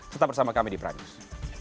tetap bersama kami di prime news